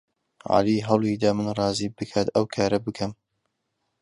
عەلی هەوڵی دا من ڕازی بکات ئەو کارە بکەم.